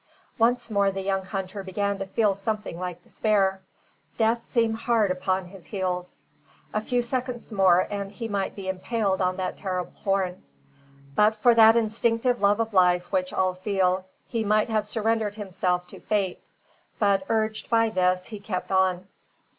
Once more the young hunter began to feel something like despair. Death seemed hard upon his heels. A few seconds more, and he might be impaled on that terrible horn. But for that instinctive love of life which all feel, he might have surrendered himself to fate; but urged by this, he kept on.